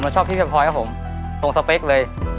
ชอบพี่เปอร์พลอยครับผมตรงสเปคเลย